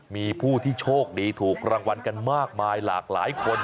มีผู้ที่โชคดีถูกรางวัลกันมากมายหลากหลายคน